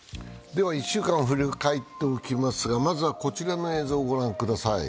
では１週間を振り返っておきますがまずはこちらの映像を御覧ください。